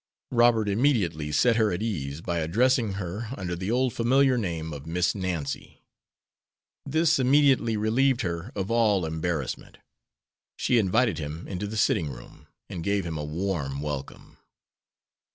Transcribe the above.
Robert immediately set her at ease by addressing her under the old familiar name of "Miss Nancy." This immediately relieved her of all embarrassment. She invited him into the sitting room, and gave him a warm welcome.